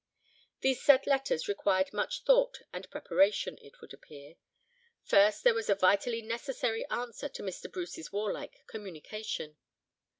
These said letters required much thought and preparation, it would appear. First there was a vitally necessary answer to Mr. Bruce's warlike communication.